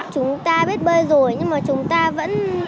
chúng ta biết bơi rồi nhưng mà chúng ta vẫn